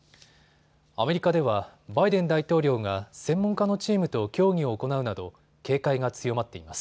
アメリカではバイデン大統領が専門家のチームと協議を行うなど警戒が強まっています。